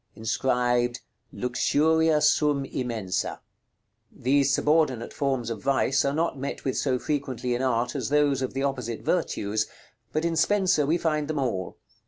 Inscribed "LUXURIA SUM IMENSA." These subordinate forms of vice are not met with so frequently in art as those of the opposite virtues, but in Spenser we find them all.